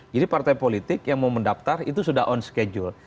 jadi partai politik yang mau mendaftar itu sudah on schedule